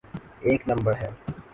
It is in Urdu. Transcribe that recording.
ایک نمبر ہے؟